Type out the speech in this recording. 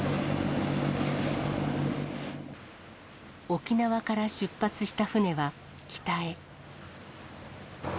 沖縄から出発した船は北へ。